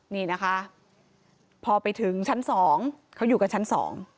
นี่นะคะพอไปถึงชั้นสองเขาอยู่กับชั้น๒